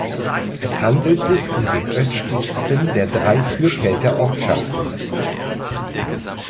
Es handelt sich um den östlichsten der drei Fürkelter Ortschaften.